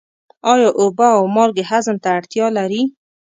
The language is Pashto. آیا اوبه او مالګې هضم ته اړتیا لري؟